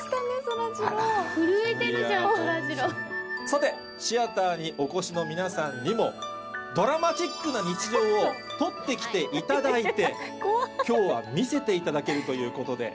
さてシアターにお越しの皆さんにもドラマチックな日常を撮って来ていただいて今日は見せていただけるということで。